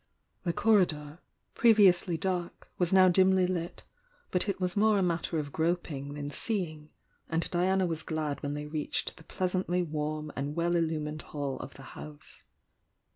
The corridor, previously dark, was now dimly lit, but it was more a matter of groping than seeing, and Diana was glad when they reached the pleasantly warm and well illumined hall of the house.